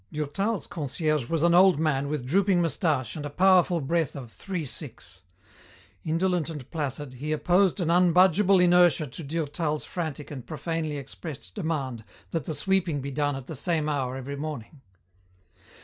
Durtal's concierge was an old man with drooping moustache and a powerful breath of "three six." Indolent and placid, he opposed an unbudgeable inertia to Durtal's frantic and profanely expressed demand that the sweeping be done at the same hour every morning.